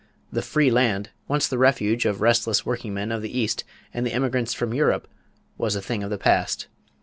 The free land, once the refuge of restless workingmen of the East and the immigrants from Europe, was a thing of the past.